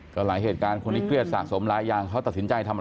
ก็หลายเหตุการณ์คนที่เครียดสะสมหลายอย่างเขาตัดสินใจทำอะไร